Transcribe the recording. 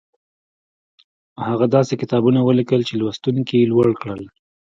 هغه داسې کتابونه وليکل چې لوستونکي يې لوړ کړل.